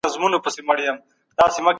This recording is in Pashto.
هغوی له مخکي کار کوي.